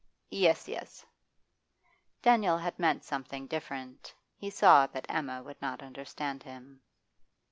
'Yes, yes.' Daniel had meant something different; he saw that Emma would not understand him.